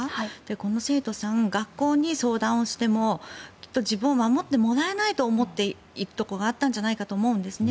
この生徒さん学校に相談しても自分を守ってもらえないと思っているところがあったんじゃないかと思うんですね。